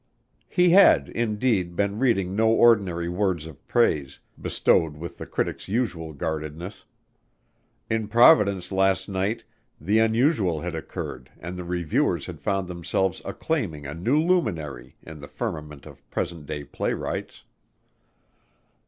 He had, indeed, been reading no ordinary words of praise, bestowed with the critic's usual guardedness. In Providence last night the unusual had occurred and the reviewers had found themselves acclaiming a new luminary in the firmament of present day playwrights.